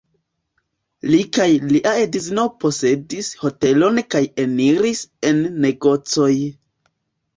Li kaj lia edzino posedis hotelon kaj eniris en negocoj.